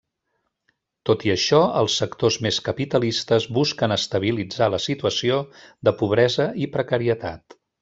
Tot i això, els sectors més capitalistes busquen estabilitzar la situació de pobresa i precarietat.